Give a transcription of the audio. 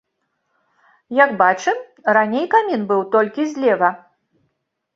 Як бачым, раней камін быў толькі злева.